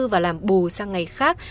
và làm bù sang ngày tháng năm